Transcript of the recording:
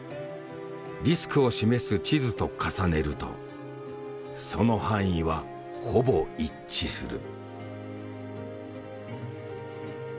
リスクを示す地図と重ねるとその範囲はほぼ一致する。